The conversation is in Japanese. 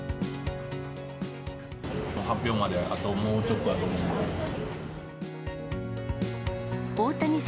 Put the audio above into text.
発表まであともうちょっとだと思うので。